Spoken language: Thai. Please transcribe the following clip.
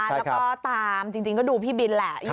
แล้วก็ตามจริงก็ดูพี่บินแหละ